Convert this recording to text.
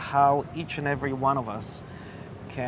bagaimana kita semua